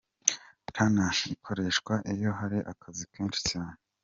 Tunnel ikoreshwa iyo hari akazi kenshi cyane.